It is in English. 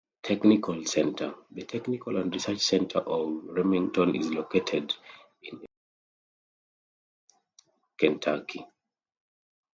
Technical Center: The technical and research center for Remington is located in Elizabethtown, Kentucky.